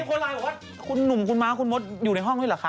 มีคนไล่ออกแบบว่าคุณหนุ่มคุณมากคุณมดอยู่ในห้องนี่ไหมคะ